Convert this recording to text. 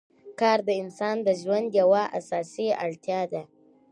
کار د انسان د ژوند یوه اساسي اړتیا ده